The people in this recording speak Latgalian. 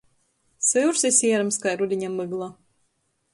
Syurs i sierms kai rudiņa mygla.